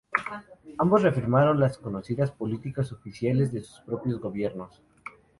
Ambos reafirmaron las conocidas políticas oficiales de sus propios Gobiernos.